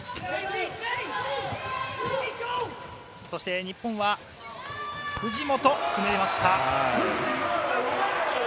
そして日本は藤本が決めました。